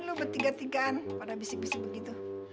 ngapain lo bertiga tigaan pada bisik bisik begitu